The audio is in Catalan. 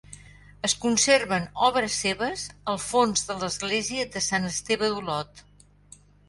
Es conserven obres seves al fons de l'església de Sant Esteve d'Olot.